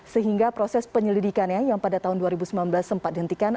sehingga proses penyelidikannya yang pada tahun dua ribu sembilan belas sempat dihentikan